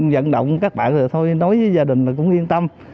dẫn động các bạn nói với gia đình cũng yên tâm